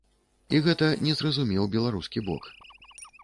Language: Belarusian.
І гэта не зразумеў беларускі бок.